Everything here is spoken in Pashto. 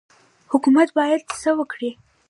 حکومت باید څه وکړي؟